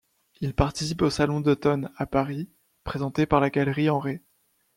Il participe au Salon d'automne à Paris, présenté par la galerie en Ré.